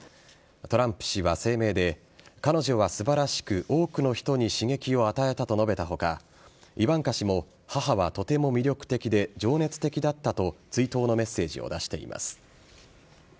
トランプ氏は声明で彼女は素晴らしく多くの人に刺激を与えたと述べた他イバンカ氏も母はとても魅力的で情熱的だったと追悼のメッセージを出しています。